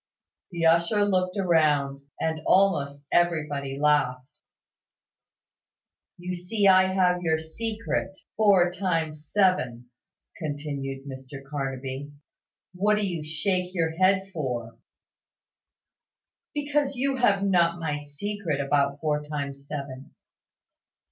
The usher looked round, and almost everybody laughed. "You see I have your secret; four times seven," continued Mr Carnaby. "What do you shake your head for?" "Because you have not my secret about four times seven."